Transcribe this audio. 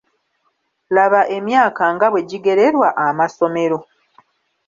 Laba emyaka nga bwe gigererwa amasomero.